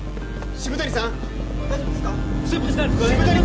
渋谷さん！